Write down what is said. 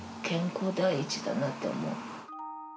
健康第一だなと思う。